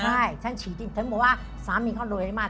ใช่ฉันฉีกทิ้งเขาบอกว่าสามีเขารวยมาก